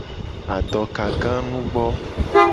Adokaganugbo.